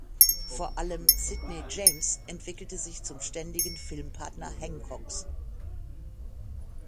Vor allem Sidney James entwickelte sich zum ständigen Filmpartner Hancocks.